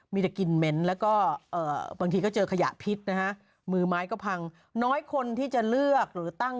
มีแต่กลิ่นเหม็นแล้วก็บางทีก็เจอขยะพิษนะฮะ